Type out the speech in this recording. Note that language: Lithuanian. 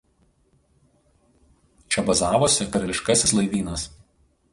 Čia bazavosi Karališkasis Laivynas.